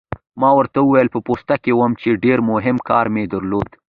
ما ورته وویل: په پوسته کې وم، چې ډېر مهم کار مې درلود.